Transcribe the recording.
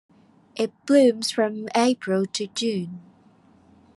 It blooms from April to June.